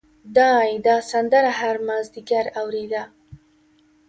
دای دا سندره هر مازدیګر اورېده.